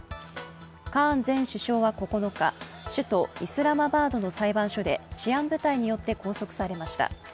カーン前首相は９日、首都イスラマバードの裁判所で治安部隊によって拘束されました。